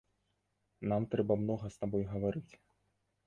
Нам трэба многа з табой гаварыць.